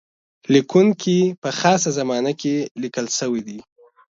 لیکونکی په خاصه زمانه کې لیکل شوی.